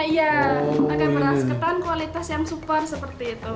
beras ketan kualitas yang super seperti itu